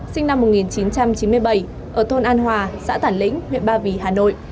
sinh năm một nghìn chín trăm chín mươi bảy ở thôn an hòa xã tản lĩnh huyện ba vì hà nội